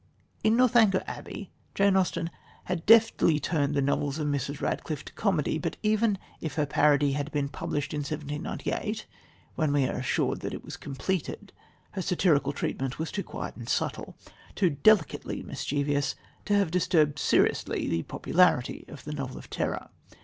In Northanger Abbey, Jane Austen had deftly turned the novels of Mrs. Radcliffe to comedy; but, even if her parody had been published in 1798, when we are assured that it was completed, her satirical treatment was too quiet and subtle, too delicately mischievous, to have disturbed seriously the popularity of the novel of terror.